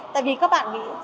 tại vì các bạn nghĩ